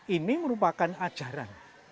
ini merupakan ajaran